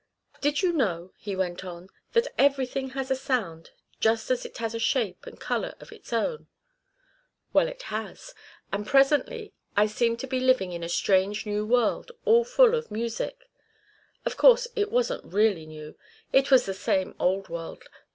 "Did you know," he went on, "that everything has a sound, just as it has a shape and colour of its own? Well, it has; and presently I seemed to be living in a strange new world, all full of music. Of course it wasn't really new. It was the same old world.